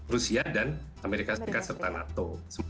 rusia dan amerika serikat serta nato